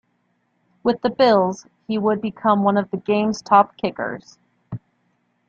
With the Bills, he would become one of the game's top kickers.